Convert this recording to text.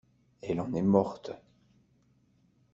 Elle en est morte.